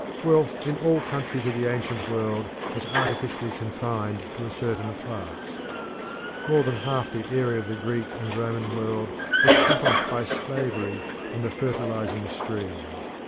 Wealth in all countries of the ancient world was artificially confined to a certain class. More than half the area of the Greek and Roman world was shut off by slavery from the fertilising stream.